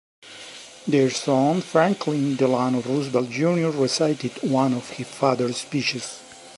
Their son Franklin Delano Roosevelt, Junior recited one of his father's speeches.